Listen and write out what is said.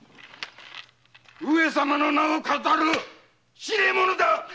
上様の名を騙る痴れ者だ！